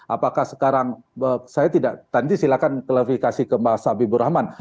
apakah sekarang saya tidak nanti silakan klavifikasi ke mbak sabi burahman